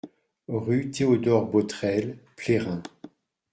Rue Théodore Botrel, Plérin